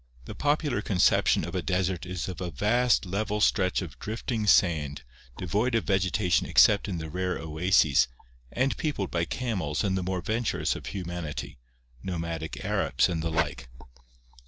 — The popular conception of a desert is of a vast level stretch of drifting sand, devoid of vegeta tion except in the rare oases, and peopled by camels and the more venturous of humanity — nomadic Arabs and the like.